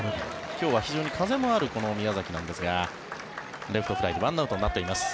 今日は非常に風もあるこの宮崎なんですがレフトフライ、１アウトになっています。